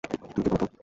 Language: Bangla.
তুমি কে বলো তো?